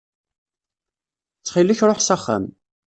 Ttxil-k ruḥ s axxam.